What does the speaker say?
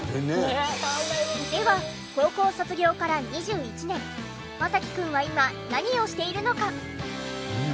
では高校卒業から２１年マサキくんは今何をしているのか？